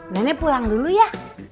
nenek pulang dulu ya